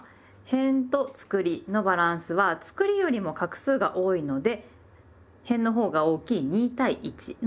へんとつくりのバランスはつくりよりも画数が多いのでへんのほうが大きい２対１の比率になります。